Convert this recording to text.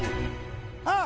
あっ！